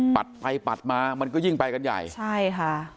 ไปปัดมามันก็ยิ่งไปกันใหญ่ใช่ค่ะ